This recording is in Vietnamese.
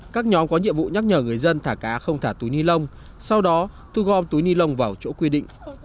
các nhóm có nhiệm vụ nhắc nhở người dân thả cá không thả túi ni lông sau đó thu gom túi ni lông vào chỗ quy định